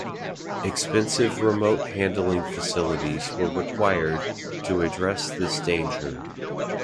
Expensive remote handling facilities were required to address this danger.